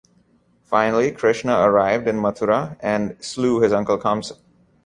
Finally, Krishna arrived in Mathura and slew his uncle Kamsa.